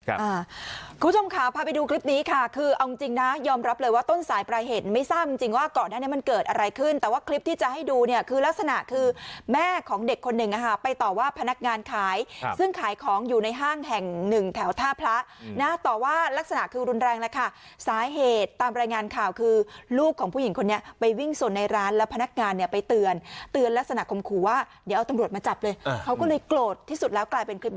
ครับคุณผู้ชมขาวพาไปดูคลิปนี้ค่ะคือเอาจริงจริงนะยอมรับเลยว่าต้นสายปรายเหตุไม่ทราบจริงจริงว่าก่อนนั้นมันเกิดอะไรขึ้นแต่ว่าคลิปที่จะให้ดูเนี่ยคือลักษณะคือแม่ของเด็กคนหนึ่งอ่ะฮะไปต่อว่าพนักงานขายซึ่งขายของอยู่ในห้างแห่งหนึ่งแถวท่าพระนะต่อว่าลักษณะคือรุนแรงแล้วค่ะ